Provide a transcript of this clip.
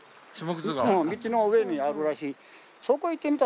道の上にあるらしい。